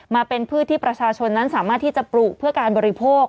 มาเป็นพืชที่ประชาชนนั้นสามารถที่จะปลูกเพื่อการบริโภค